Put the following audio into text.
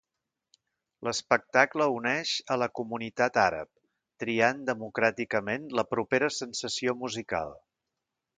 L'espectacle uneix a la comunitat àrab triant democràticament la propera sensació musical.